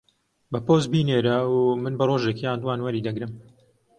بە پۆست بینێرە و من بە ڕۆژێک یان دووان وەری دەگرم.